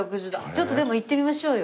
ちょっと行ってみましょうよ。